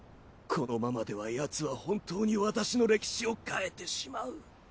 このままではヤツは本当に私の歴史を変えてしまう。